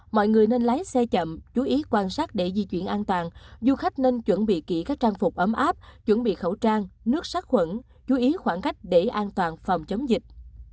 mọi người nên lái xe chậm chú ý quan sát để di chuyển an toàn du khách nên chuẩn bị kỹ các trang phục ấm áp chuẩn bị khẩu trang nước sát khuẩn chú ý khoảng cách để an toàn phòng chống dịch